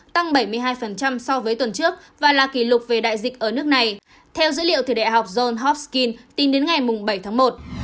tăng bảy mươi hai so với tuần trước và là kỷ lục về đại dịch ở nước này theo dữ liệu từ đại học john hovskyn tính đến ngày bảy tháng một